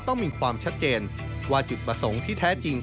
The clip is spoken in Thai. ต้องมีความชัดเจนว่าจุดประสงค์ที่แท้จริง